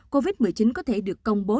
covid một mươi chín có thể được công bố